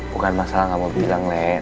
bukan masalah kamu bilang lek